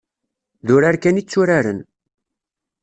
D urar kan i tturaren.